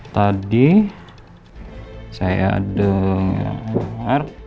tadi saya dengar